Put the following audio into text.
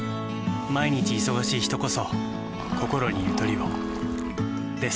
毎日忙しい人こそこころにゆとりをです。